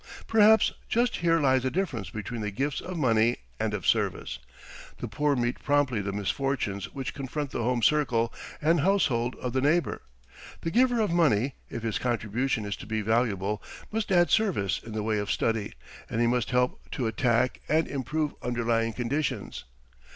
Perhaps just here lies the difference between the gifts of money and of service. The poor meet promptly the misfortunes which confront the home circle and household of the neighbour. The giver of money, if his contribution is to be valuable, must add service in the way of study, and he must help to attack and improve underlying conditions.